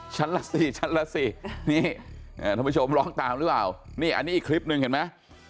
ละสี่ชั้นละสี่นี่ท่านผู้ชมลองตามหรือเปล่านี่อันนี้อีกคลิปหนึ่งเห็นไหม